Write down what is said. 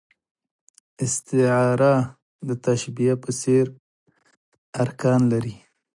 استعاره د تشبېه په څېر ارکان لري.